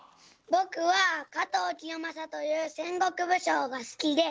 ぼくは加藤清正という戦国武将が好きで。